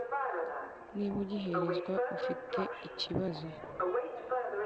niba ugiherezwa ufite ikibazo